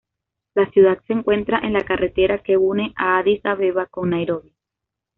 La ciudad se encuentra en la carretera que une a Addis Abeba con Nairobi.